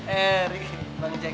eri bang jack